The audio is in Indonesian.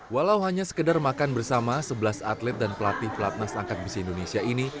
walau hanya sekedar makan bersama sebelas atlet dan pelatih pelatnas angkat besi indonesia ini